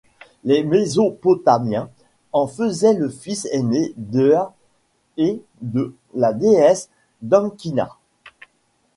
Les Mésopotamiens en faisaient le fils aîné d’Ea et de la déesse Damkina.